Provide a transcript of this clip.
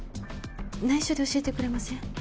内緒で教えてくれません？